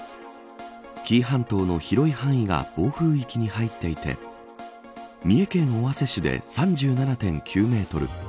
紀伊半島の広い範囲が暴風域に入っていて三重県尾鷲市で３７．９メートル